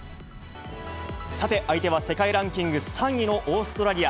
さて、相手は世界ランキング３位のオーストラリア。